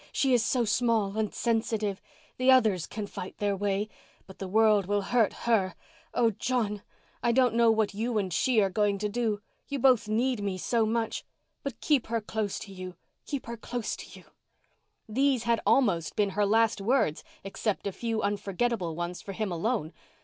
"She is so small—and sensitive. The others can fight their way—but the world will hurt her. Oh, John, I don't know what you and she are going to do. You both need me so much. But keep her close to you—keep her close to you." These had been almost her last words except a few unforgettable ones for him alone.